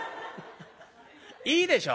いいでしょ？